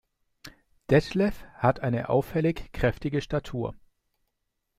Detlef hat eine auffällig kräftige Statur.